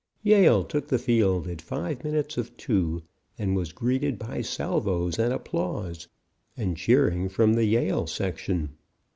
"Yale took the field at five minutes of 2, and was greeted by salvos and applause and cheering from the Yale section.